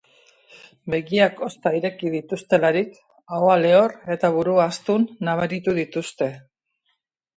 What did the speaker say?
Begiak ozta ireki dituztelarik, ahoa lehor eta burua astun nabaritu dituzte.